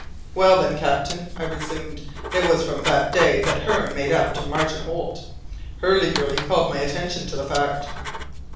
"Well, then, captain," I resumed, "it was from that day that Hearne made up to Martin Holt. Hurliguerly called my attention to the fact."